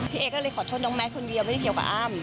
เอก็เลยขอโทษน้องแมทคนเดียวไม่ได้เกี่ยวกับอ้ำ